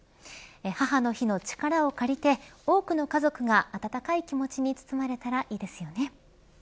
母の日の力を借りて多くの家族が温かい気持ちに包まれたらいいですよね。